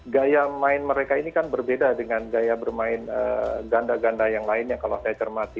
gaya main mereka ini kan berbeda dengan gaya bermain ganda ganda yang lain yang kalau saya cermati